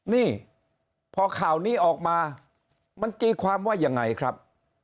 นี่พอข่าวนี้ออกมามันตีความว่ายังไงครับ